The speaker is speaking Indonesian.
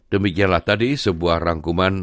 demikianlah tadi sebuah rangkuman